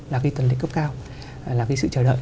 là cái tuần lễ cấp cao là cái sự chờ đợi